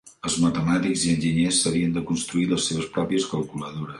Els matemàtics i enginyers s’havien de construir les seves pròpies calculadores.